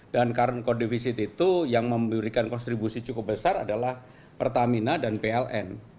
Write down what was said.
dan current code deficit itu yang memberikan konstribusi cukup besar adalah pertamina dan pln